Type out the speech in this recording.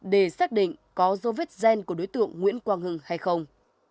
để xác định có dấu vết gen của đối tượng nguyễn quang hưng hay không